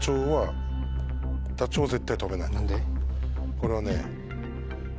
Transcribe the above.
これはね。